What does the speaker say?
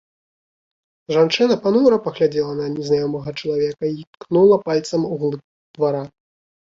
Жанчына панура паглядзела на незнаёмага чалавека і ткнула пальцам у глыб двара.